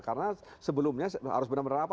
karena sebelumnya harus benar benar apa